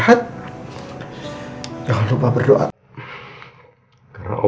dan mengorbankan kamu